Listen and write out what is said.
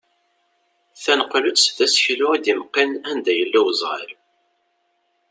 Tanqelt d aseklu i d-imeqqin anda yella uzɣal.